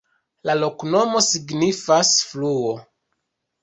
La loknomo signifas: fluo.